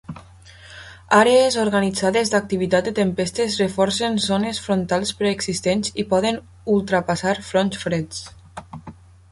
Àrees organitzades d'activitat de tempestes reforcen zones frontals preexistents i poden ultrapassar fronts freds.